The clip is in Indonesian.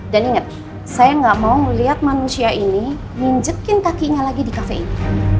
dan inget saya gak mau ngeliat manusia ini nginjekin kakinya lagi di cafe ini